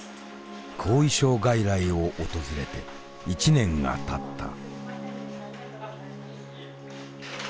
後遺症外来を訪れて１年がたった。